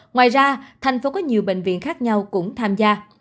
ngoài ra tp hcm có nhiều bệnh viện khác nhau cũng tham gia